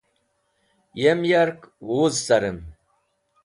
yem yark wuz carem